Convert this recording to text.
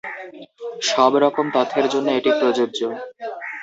সব রকম তথ্যের জন্য এটি প্রযোজ্য।